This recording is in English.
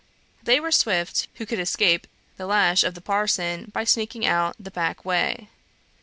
They were swift who could escape the lash of the parson by sneaking out the back way.